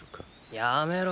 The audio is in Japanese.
やめろ。